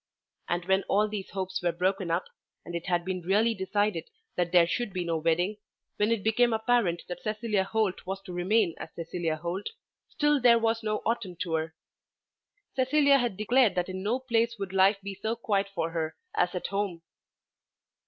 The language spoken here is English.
And when all these hopes were broken up and it had been really decided that there should be no wedding, when it became apparent that Cecilia Holt was to remain as Cecilia Holt, still there was no autumn tour. Cecilia had declared that in no place would life be so quiet for her as at home.